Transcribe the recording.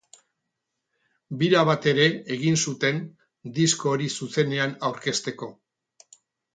Bira bat ere egin zuten disko hori zuzenean aurkezteko.